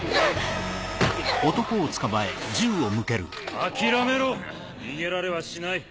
諦めろ逃げられはしない。